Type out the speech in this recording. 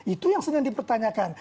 itu yang senang dipertanyakan